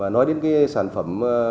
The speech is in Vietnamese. nói đến sản phẩm